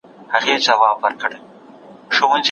په دې پاڼو کي مي یوه زهیره پېغله په سترګه سوه